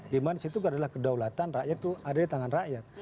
di mana di situ adalah kedaulatan rakyat itu ada di tangan rakyat